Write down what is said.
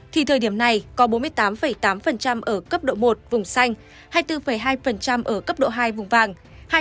thì thời điểm này có bốn mươi tám tám ở cấp độ một vùng xanh hai mươi bốn hai ở cấp độ hai vùng vàng